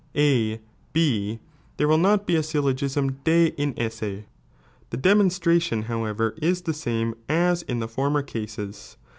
A B, there will not be a gyllogism de inease, the demon smiion however is the same as in the former cases.